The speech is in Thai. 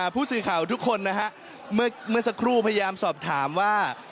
ผู้สื่อข่าวทุกคนนะฮะเมื่อสักครู่พยายามสอบถามว่า